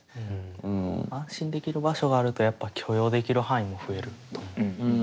安心できる場所があるとやっぱ許容できる範囲も増えると。